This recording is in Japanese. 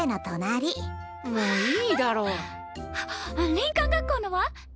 林間学校のは？